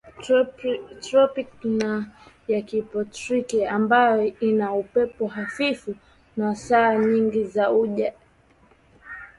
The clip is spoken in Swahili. tropiki na ya kitropiki ambayo ina upepo hafifu na saa nyingi za jua